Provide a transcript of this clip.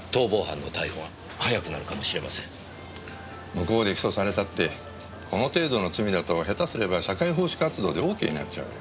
向こうで起訴されたってこの程度の罪だとヘタすれば社会奉仕活動でオーケーになっちゃうよ。